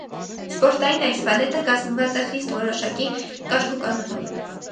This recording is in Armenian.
Սպորտային այս բալետը կազմված է խիստ որոշակի կարգուկանանով։